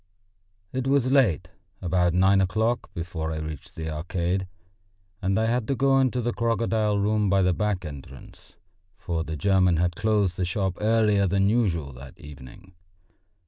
It was late, about nine o'clock, before I reached the Arcade, and I had to go into the crocodile room by the back entrance, for the German had closed the shop earlier than usual that evening.